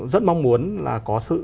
rất mong muốn là có sự